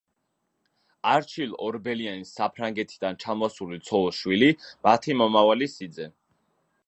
არჩილ ორბელიანის საფრანგეთიდან ჩამოსული ცოლ-შვილი, მათი მომავალი სიძე.